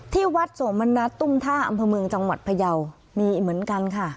ที่วัดโสมณัฐตุ้มท่าอำเภอเมืองจังหวัดพยาวมีเหมือนกันค่ะ